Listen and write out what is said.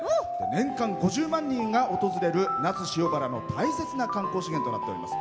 年間５０万人が訪れる那須塩原の大切な観光資源となっています。